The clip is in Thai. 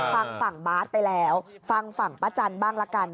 ฟังฝั่งบาทไปแล้วฟังฝั่งป้าจันบ้างละกัน